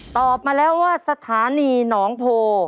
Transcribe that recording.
ตอบมาแล้วว่าสถานีหนองโพ